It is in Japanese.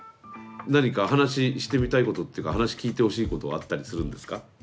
何か話してみたいことっていうか話聞いてほしいことはあったりするんですか？